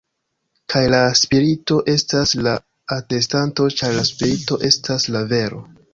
Kaj la Spirito estas la atestanto, ĉar la Spirito estas la vero.